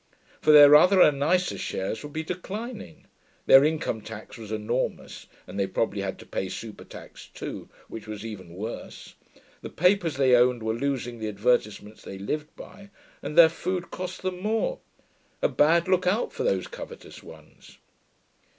For their other and nicer shares would be declining; their income tax was enormous (and they probably had to pay super tax too, which was even worse); the papers they owned were losing the advertisements they lived by; and their food cost them more. A bad look out for these covetous ones.